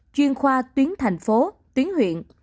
chuyên khoa tuyến thành phố tuyến huyện